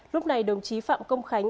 lúc này đồng chí phạm công khánh